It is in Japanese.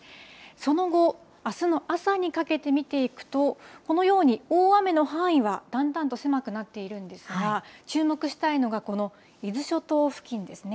その後、あすの朝にかけて見ていくと、このように、大雨の範囲はだんだんと狭くなっているんですが、注目したいのが、この伊豆諸島付近ですね。